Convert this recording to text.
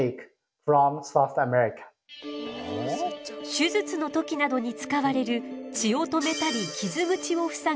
手術の時などに使われる血を止めたり傷口をふさぐ組織接着剤。